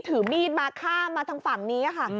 ถือมีดมาข้ามมาทางฝั่งนี้ค่ะ